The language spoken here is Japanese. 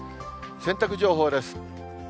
洗濯情報です。